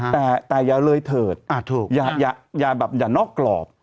แต่อย่าเลยเถิดอย่านอกกรอบ